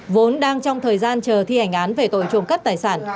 vốn đang trong thời gian chờ thi hành án về tội trộm cắp tài sản